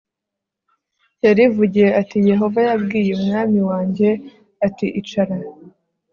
yarivugiye ati yehova yabwiye umwami wanjye ati icara